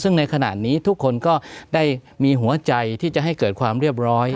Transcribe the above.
ซึ่งในขณะนี้ทุกคนก็ได้มีหัวใจที่จะให้เกิดความเรียบร้อย